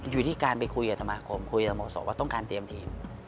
อยู่ที่การไปคุยกับสมาคมคุยกับสโมสรว่าต้องการเตรียมทีม